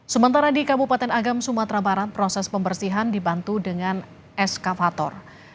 sementara di kabupaten agam sumatera barat proses pembersihan dibantu dengan eskavator